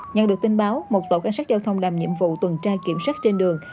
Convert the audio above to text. nhận được tin báo một tổ cảnh sát giao thông làm nhiệm vụ tuần tra kiểm soát trên đường